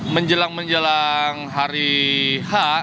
menjelang menjelang hari h